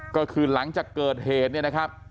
ก็คือหลังจากเกิดเหตุเนี่ยนะครับ